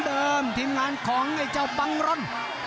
ทีมงานของไอ้เจ้าบังรน